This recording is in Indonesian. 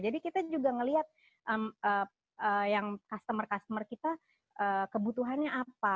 jadi kita juga ngeliat yang customer customer kita kebutuhannya apa